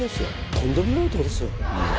とんでもない男ですよ。